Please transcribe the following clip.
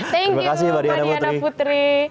thank you mbak diana putri